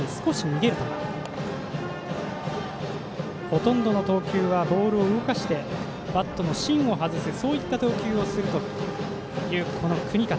ほとんどの投球はボールを動かしてバットの芯を外す投球をするという國方。